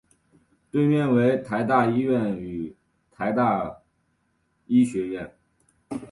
对面为台大医院与台大医学院。